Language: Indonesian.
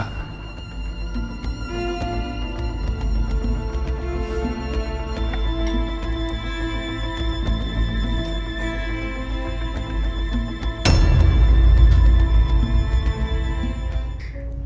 aku mau pergi ke rumah